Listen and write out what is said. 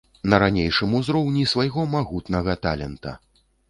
На ранейшым узроўні свайго магутнага талента.